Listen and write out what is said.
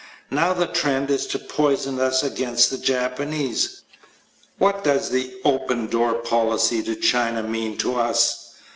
Now the trend is to poison us against the Japanese. What does the "open door" policy to China mean to us?